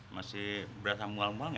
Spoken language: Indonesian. masih berasa mual mual gak